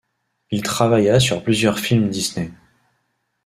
Il travailla sur plusieurs films Disney.